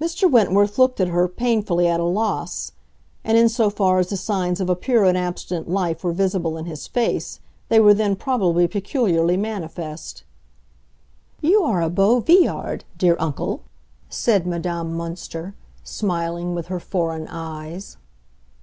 Mr. Wentworth looked at her, painfully at a loss; and in so far as the signs of a pure and abstinent life were visible in his face they were then probably peculiarly manifest. "You are a beau vieillard, dear uncle," said Madame Münster, smiling with her foreign eyes.